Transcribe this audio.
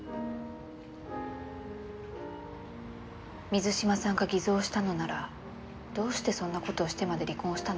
水嶋さんが偽造したのならどうしてそんな事をしてまで離婚したのか何か心当たりは。